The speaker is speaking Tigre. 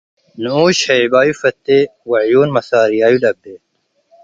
ንኡሽ ሄይባዩ ፈቴ ወዕዩን መሳርያዩ ለአቤ።